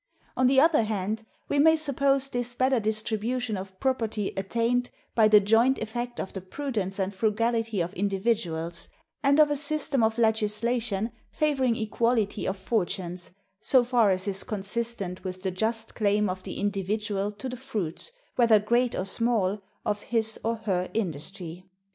On the other hand, we may suppose this better distribution of property attained, by the joint effect of the prudence and frugality of individuals, and of a system of legislation favoring equality of fortunes, so far as is consistent with the just claim of the individual to the fruits, whether great or small, of his or her own industry.